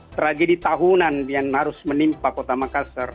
tragedi tahunan yang harus menimpa kota makassar